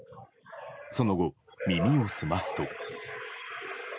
その後、耳を澄ますと。